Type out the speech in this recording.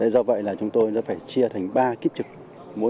do vậy là chúng tôi đã phải chia thành ba kíp trực mỗi một kíp là bảy mươi quân số